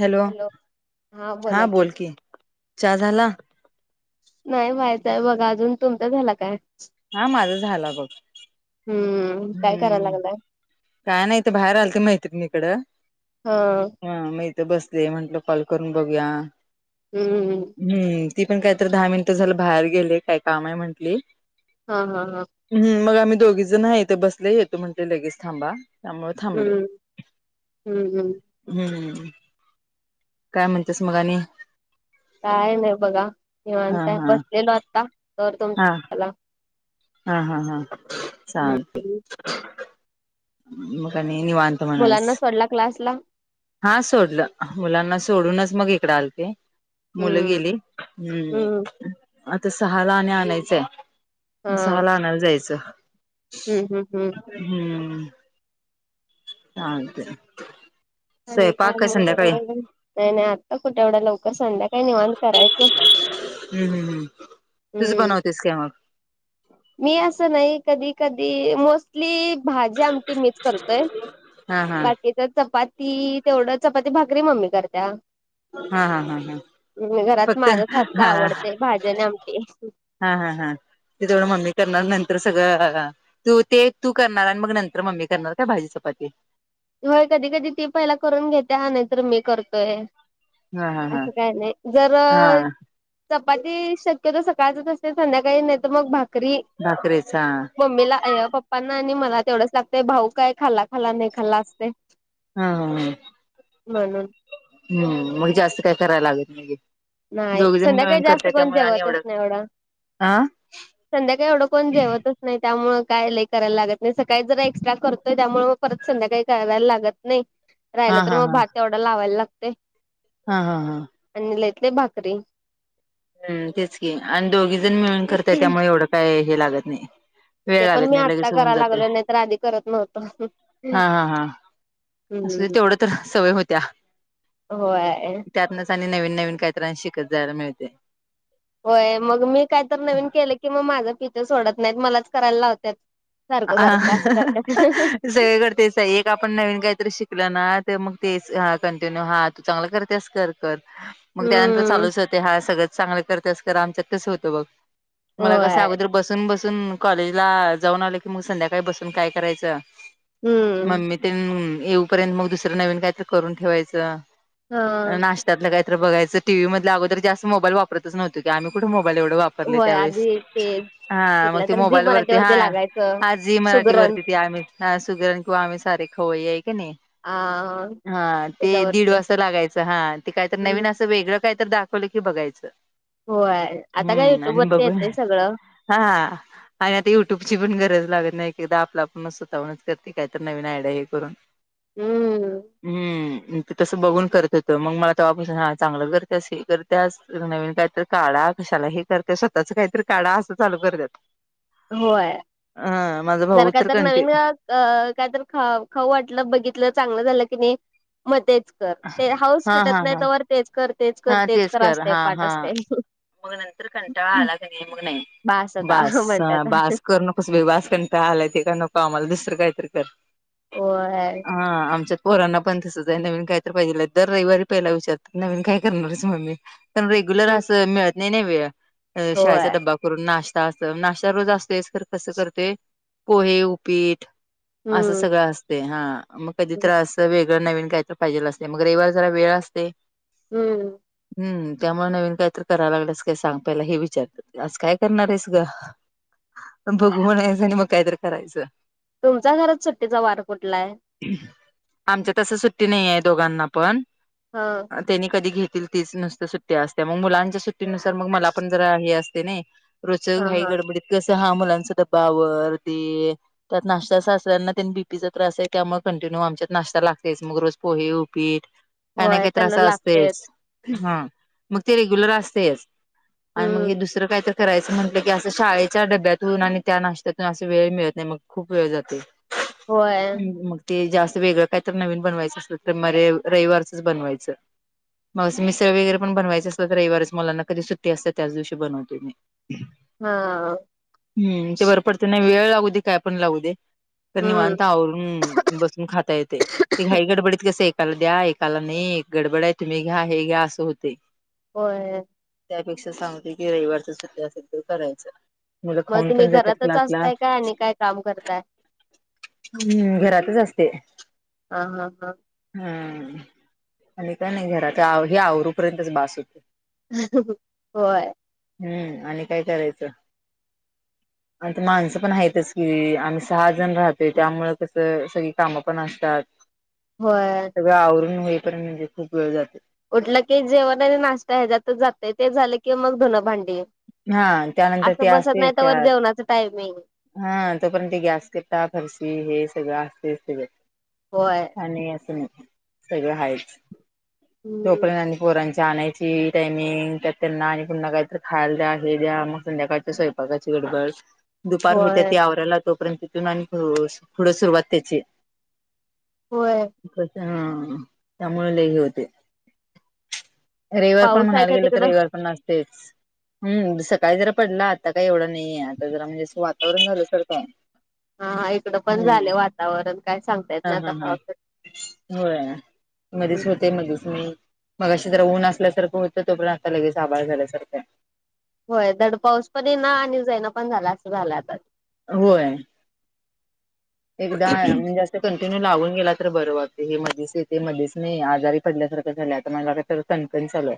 Hello! हा बोल की, चहा झाला? नाही व्हायचाय बघा अजून, तुमचा झाला काय? हा माझा झाला बघ. हम्म काय करायला हम्म, लागलाय काय नाही ते बाहेर आलते मैत्रिणीकडं हा ह, म इथ बसले म्हंटलं कॉल करून बघूया. हम्म हम्म, ती पण काहीतरी दहा मिनिटं झालं बाहेर गेलीय, काय काम आहे म्हंटली. हा हा हा हम्म, मग आम्ही दोघी जण आहे इथे बसले येतो म्हणते लगेच थांबा. त्यामुळे थांबलोय, हम्म हम्म हम्म हम्म. काय म्हणतेस मग आणि? काय नाही बघा हा निवांत आहे, हा बसलेलो आता तर हा तुमचा [unintelligible] आला. हा हा हा छान. हम्म का नाही निवांत म्हणाज मुलांना सोडला क्लासला हा सोडलं मुलांना सोडूनच मग इकड आलते. मुलं हम्म गेली हम्म हम् आता सहा ला आणि आणायचंय. हा सहाला आणायला जायचं. हम्म हम् हम्म. हम्म. अहा. आणि काय म्हण नाही नाही आत्ता कुठे एवढा लवकर संध्याकाय निवण करायचं.. हम्म हम् हम् तूच हम्म बनवतेस का मग. मी असं नाही कधी कधी मोस् ली भाजी आमटी मीच करतोय हा हा. बाकी. तर चपाती तेवढं चपाती भाकरी मम्मी करत्या. हा हा हा हा. ् घरात फक्त माझच हात हा आवडते भाज्या न आमट हा हा हा ते तेवढं मम्मी करणार नंतर सगळं तू ते तू करणार आणि मग नंतर मम्मी करणार का भाजी चपाती. होय कधी कधी ती पहिला करून घेते ह नाही तर मी करतोय. हा हा हा. असं काय नाही जर. हा चपाती शक्यतो सकाळचच असते संध्याकाळी नाही तर मग भाकरी. भाकरीच हा. ममीला अय्या. पप्पा ना आणि मला तेवढंच लागतय भाऊ काय खाल्ला खाल्ला नाही खाल्ला असते. हा हा. म्हणून. हम्म मग जास्त काय करायला लागत नाहीे नाही संध्याकाळी जास्त कोण जवतच नाही एवढं आ संध्याकाळी एवढं कोण जेवत नाही त्यामुळे काय लई करायला लागत नाही सकाळी जर एक्स्ट्रा करतोय त्यामुळे मग परत संध्याकाळी करायला लागत. नाही राहिलं हा तर हा मग हा. भात वढा लावायला लागते. हा हा हा. आणि लै ते लै भाकरी. हम् तेच की आणि दोघी जण मिळून करतय त्यामुळे एवढं काय हे लागत नाही. ते वेळ पण हवेत मी नाही आत्ता लगेच होऊन कराय जाते लागलोय नाही तर आधी करत नव्हतो. हा हा हा. अस हम्म तेवढ तर सवय होत्या. होय. त्यातनच आणि नवीन नवीन काहीतां शिकत जायला मिळते. होय मग मी काय तर नवीन केलं की मग माझं पीच्या सोडत नाहीत मलाच करायला लावतत. सारखं सारखं असं करत्यात. सगळे कदा तेच आहे एक आपण नवीन काहीतरी शिकल ना तर मग तेच कंटिन्यू हात तू चांगलं करतेस कर कर. मग त्यानंतर हम्म चालूच होते हा सगळंच चांगलं करतेस कर आमचत कसं होतं बघ. मला होय कसं अगोदर बसून बसून कॉलेजला जाऊन आलं की मग संध्याकाळी बसून काय करायचं. हम्म. मममी येऊपर्यंत मग दुसरं नवीन कायत करून ठेवायचं. हा नाशतलं काही तर बघायं टीवी मांदला अगोर जास्त मोबाईल वापतच नव्हत की आम्ही कुठ मोबाईल एवढं वापरतो. वापरले होय त्यावेळेस आधी ते हा मग ते मोबाईल वरती हा. का [unintelligible] आ जी मराठीवररती ती आम्ही सुगरण किंवा आम्ही सारे खवई आहे का नाही. हा हा. हा ते दीड वाजता लागायचं हा ते काय तर हम्म नवीन अस वेगळं काय तर दाखवलं की बघायचं. होय आता काय हम्म युट्यूब आणि वरती बघून येतय सगळं. हा आणि आता युट्यूबची पण गरज लागत नाही एकेकदा आपल्या आपुन स्वतःहून करते काही तर नवीन आयड्या हे करून हम्म. हम्म. ते तसं बघून करत होतं मग मला तवापासून हा चांगलं करतेस की कर त्या नवीन काहीतरी काढा कशाला हे करतेस स्वतःच काहीतरी काढा असं चालू करतात. होय. हा. माझा जर काय भाऊतर तर कंटी नवीन अ काय तर खा खाऊ वाटलं बघितलं चांगलं झालं की नाही म तेच. ते हाऊस हा फिटत हा नाही, हा तोवर वर तेच कर तेच कर हा तेच कर असतय हा पाठ हा असतय. मग नंतर कंटाळा आला कणी नाही मग नाही आता बास म्हणतात बास करु बस बई बास कंटाळा आलाय ते का नको आम्हाला दुसरं काहीतरी कर. होय. हा. आमच्यात पोरांना पण तसच आहे नवीन काही तर पाहिजेल. दर रविवारी पहिला विचारतात नवीन काय? करणार हायस मम्मी पण रेग्युलर अस मिळत नाही ना वेळ. होय शाळेचा डबा करून नाश्ता अस नाश्ता रोज असतयच खरं कसं करते पोहे, उपीट असं हम्म सगळं असतय. हा मग कधी तर अस वेग ग नवीन काहीतर पाहिजेल असतय. मग रविवार जरा वेळ असतय. हम्म. हम्म. त्यामुळे नवीन काय तरी कराल्यास काय सांग पहिला हे विचारतात. आज काय करणार आहेस ग? बघू म्हणायचं आणि मग काहीतरी करायचं. तुमच्या घरात सुट्टीचा वार कुठला हाय? आमच्या तस सुट्टी नाही आहे दोघांना पण? हा. त्यांनी कधी घे तील तीच नुसत्या सुट्ट्या असत्या मग मुलांच्या सुट्टी नुसार मग मला पण जरा हे असतेय ने रोजच्या हा घाई हा गडबडीत कसं हा मुलांचा डब्बा आवर दे त्यात नाश्ता सासऱ्यांना तेन बीपीचा त्रास आहे. त्यामुळे कंटिन्यू आमच्यात नाश्ता लागतयच मग रोज पोहे, उपीट काय नाही होय काही त्यांना तरी लागतयच. असतयच. मग ते रेग्युलर असतयच. हम्म, मग दुसरं काय तर करायचं म्हटलं की असं शाळेच्या डब्यातून आणि त्या नाशत्यातून असं वेळ मिळत नाही, मग खूप वेळ जातय. होय. हम्म. म ते जास्त वेगळं काही तर नवीन बनवायचं असेल तर मरे रविवारचंच बनवायचं. मग मिसळ वगैरे पण बनवायचे असल रविवारच मुलांना कधी सुट्टी असतय त्याच दिवशी बनवतो मी. हा. हम्म. ते बर पडतय ने वेळ लागू दे काय पण लागू दे. पण हम्म, निवांत आवरून बसून खाता येतय. ती घाई गडबडीत कस एकाला द्या एकाला नाही एक गडबड हाय. मी घ्या हे घ्या असं होतय. होय. त्यापेक्षा सांगते की रविवारचं सुधा असेल तर करायचं. मुलं मग खाऊन तुम्ही पण जातात घरातच क्लासला असताय काय आणि काय काम करताय? हम्म. घरातच असते. हां, हां, हां. हम्म आणि का नाही घरात. हे आवरू आवरु पर्यंतच बास होतय. होय. हम्म आणि काय करायचं? आणि इथ माणसं पण आहेतच की आम्ही सहा जण राह ते त्यामुळं कसं सगळी कामं पण असतात. होय. सगळं आवरून होईपर्यंत पण म्हणजे खूप वेळ जातय. उठलं की जेवण आणि नाश्ता हेज्यात जातय. ते झालं की मग धुण, भांडी. हा त्यानंतर ते असं बसत असते नाही तवर त्यात जेवणाचा टाईमींग. हा तोपर्यंत गॅसकट्टा फरशी हे सगळं असतंयच की बाई होय आणि असं नाही सगळं हायच हम्म, तोपर्यंत आणि पोरांच आणायची टाइमिंग तर त्यांना आणि पुन्हा काहीतरी खाय हे द्या मग संध्याकाळच्या स्वयपाकाची गडबड दुपार होत्या होय, ती आवराला तोपर्यंत उठून आणि पुढं सुरुवात त्याची होय. ह त्यामुळे लही होतय रविवार पण पाऊस आहे म्हणायला का गेले तर तिकडं? रविवार पण असतयच हम्म सकाळी जरा पडला आता काय एवढा नाहीये आता जरा म्हणजे वातावरण झालं सारख हाय हा इकडं पण झालं वातावरण काय सांगतायेत हा नाही आता हा हा पावसा होय मधीच होतंय मधीच नाही मगाशी जरा ऊन असल्यासारखं होतं तो पर्यंत आता लगेच आभाळ झाल्यासारखं होय दड पाऊस पण ये ना आणि जैना पण झाला असं झालं आता होय एकदा म्हणजे कंटिन्यू लावून गेला तर बरं वाते हे मध्येच येते मध्येेच नाही आजारी पडल्यासारखं झाल्या आता मला तर कणकण चालूय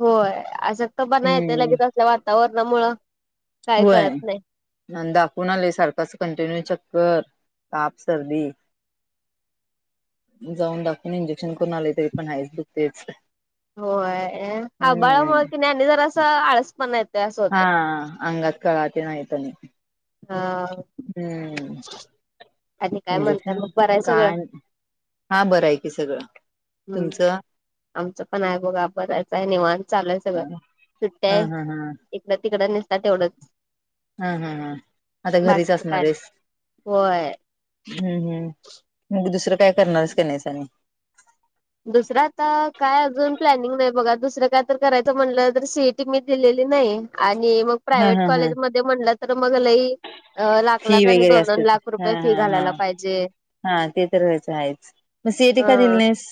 होय अशक्तपणा येतय लगेच असल्या वातावरणामुळं काही होय कळत नाही दाखवून आलय सारखंच कंटिन्यू चक्कर ताप सर्दी जाऊन दाखवून इंजेक्शन करून आले तरी पण आहेच दुखतयच होय ह आभाळामुळे कि आणि जर असं आळस पण येत असं होतंय हा अंगात कळा तेन आहेत आणि हा हम्म आणि काय म्हणताय मग इंजेक्शन बरं आहे सगळं? काय हा बरं आहे की सगळं हम्म तुमचं आमचं पण आहे बघा बरायचं आहे निवान चालूय सगळं हा सुट्ट्या हा आहे हा इकड तिकडं निस्ता तेवढंच हा, हा, हा आता घरीच बाकीचं असणार काय नाही. आहेस होय. हम्म ह मग दुसरं काय करणार आहेस का नाही आणि दुसरं आता काय अजून प्लॅनिंग नाही बघा दुसरं काय तर करायचं म्हटलं तर सीट ती मी दिलेली नाही आणि मग हा प्रायव्हेट हा हा कॉलेज मध्ये म्हणलं तर मग लई अ लाख, फी लाख आणि वगैरे दोन, असते दोन ती. लाख हा रुपये फी हा हा घालायला पाहिजे हा ते तर व्हायचं आहेच म सीएटी का दिली नाइस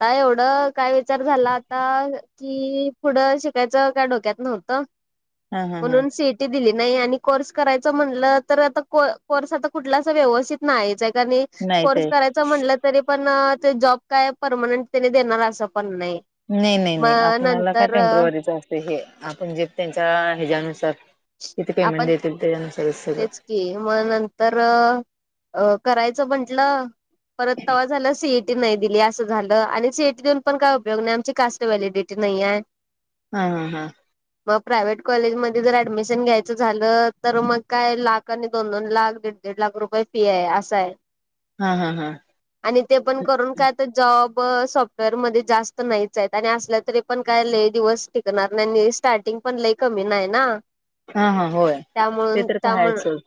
काय एवढं काय विचार झाला आता कि पुढं शिकायचं काय डोक्यात नव्हतं हा हा हा म्हणून सीट दिली नाही आणि कोर्स करायच म्हटलं तर आता कोर्स आता कुठला व्यवस्थित नाहीयचाय कारण नाही ते कोर्स करायचा म्हटलं तरी पण ते जॉब काय परमनंट तने देणार असं पण नाही नाही, नाही, नाही मग आपल्याला काय नंतर टेम्प्रवररीच असत हे आपण जे त्यांच्या ह्याच्यानुसार किती पेमेंट आपण देतील त्यानुसारच सगळं तेच की मग नंतर अ करायचं म्हंटलं परत तवा झाला सीए नाही दिली असं झालं आणि सीईटी देऊन पण काय उपयोग नाही आमची कास्ट व्हॅलिडिटी नाही आहे हा, ह, हा मग प्राय्हेट कॉलेमध्ये जर ऍडमिशन घ्याय च झालं तर मग काय लाख आणि दोन, दोन लाख दीड, दीड लाख रुपये फी आहे असा आहे हा, हा, हा आणि ते पण करून काय तर जॉब सॉफ्टवेअर मध्ये जास्त नाहीच आहेत आणि असल्या तरी पण काय ल दिवस टिकणार नाही स्टार्टिंग पण ल कमी नाही ना हा, हा होय ते त्यामुळे तर काय त्यामु हायच सोड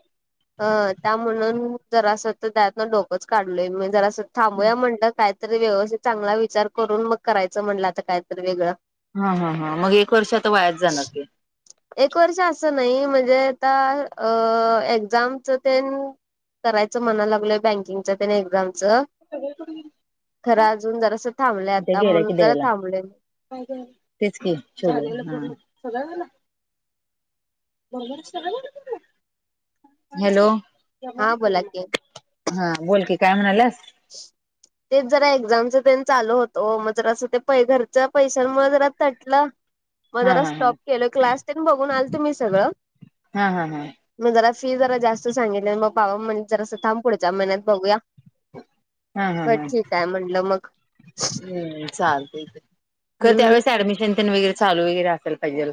अ त्या म्हणून जरा असं तर त्यातनं डोकंच काढलय म्हण जरा अस. थांबूया म्हणल कायतरी व्यवस्त चांगला विचार करून मग करायचं म्हणलं आता कायतरी वेगळं. हा हा हा मग एक वर्ष आता वायाच जाणर की. एक वर्ष असं नाही म्हणजे आता अ एक्झामच तेन. करायचं म्हणाला लागलोय बँकिंगच त्या एक्झामचं. खरं अजून जरा अस थांबलं ते आता गेल्या म्हणून की जरा द्यायला थांबलेय. तेच की. हॅलो. हा बोला की हा बोलकी काय म्हणाल्यास. [inaudible] तेच जरा एक्झामच तेन चालू होतो वो मग जर असं ते पै घरच्या पैशां म जरा तटलं. मग हा जरा हा स्टॉप हा केल क्लास तेन बघून आलतो मी सगळं. हा हम हा. मग जरा फी जरा जास्त सांगितली मग बाबा म्ह जरास थब पुढच्या महिन्यात बघूया. हा हा बर ठीक आहे म्हणलं मग चालतंय की. खरं हम्म त्यावेळेस ऍडमिशन तेन वगैरे चालू वगैरे असेल पाहिजेल.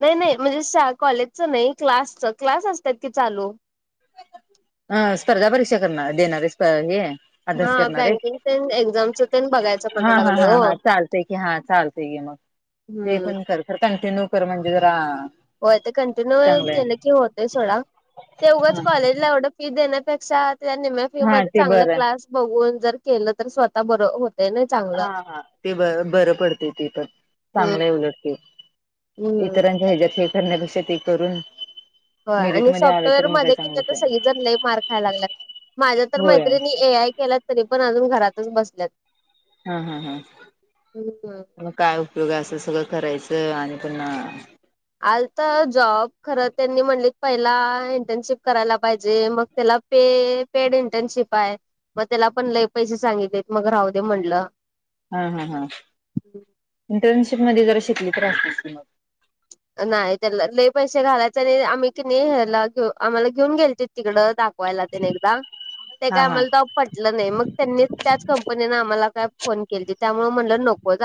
नाही नाही म्हणजे श कॉलेजचं नाही क्लासच क्लास असतात की चालू. ह स्पर्धा परीक्षा करणार देणारे प हे. हा अभ्यास करणारे बँकिंग तेन एक्झामच तेन बघायचं हा म्हणा हा लागलोय हा ओ. हा चालतंय की हा चालतय क मग. ते हम्म. पण खर कंटिन्यू कर म्हणजे जरा. हो ते कंटिन्यू चांगलंय केलं की होतय सथोडा ते उगाच हा हा कॉलेजला एवढं. फी देण्यापेक्षा त्या निम्या फी हा मध्ये ते चांगल बरं. क्लास. बघून जर केलं तर स्वतः बर होत नाय. हा हा ते बर बरं पडते ते पण हम्म. चांगलं उलटते. हम्म इतरांच्या हिच्यात हे करण्यापेक्ष ते करून. हो मेरिट आणि मध्ये आलं सॉफ्टवेअर तर मग काय मध्ये कि चांगलंच तर आहे. सगळे जण लय मार् खाय लागलात. माझ्या तर होय मैत्रिणी ए आय केला तरी पण अजून घरातच बसल्यात. हा हा हा. हम्म. मग काय उपयोग असं सगळं करायचं आणि पणा. आलता जॉब खरं त्यांनी म्हणली पहिला इंटर्नशिप करायला पाहिजे मग त्याला. पे पेड इंटर्नशिप आहे मग त्याला पण ल पैसे सांगितलेेत मग राहू दे म्हणलं. हा हा हा इंटर्नशिप मध्ये जरा शिकली तर असतीस की ती मग. नाही त्याला लय पैसे घालायच आणि आम्ही की नाही ह्याला घेऊ आम्हाला घेऊन गेलतीत तिकडं दा यला तेन एकदा ते हा काय हा. आम्हाला तवा. पटलं नाही मग त्यांनी त्याच कंपनीने आम्हाला काय फोन केलतीत त्यामुळे म्हटल नकोच.